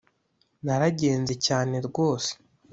naragenze cyane rwose